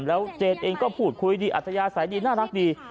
แล้วเจนเองก็พูดคุยดีอัธยาศัยดีน่ารักดี